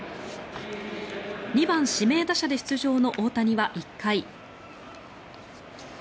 ２番指名打者で出場の大谷は１回。